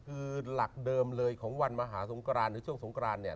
คือหลักเดิมเลยของวันมหาสงกรานหรือช่วงสงกรานเนี่ย